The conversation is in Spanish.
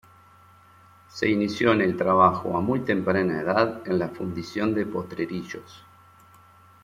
Se inició en el trabajo a muy temprana edad en la fundición de Potrerillos.